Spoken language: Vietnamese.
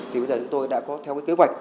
thì bây giờ chúng tôi đã có theo cái kế hoạch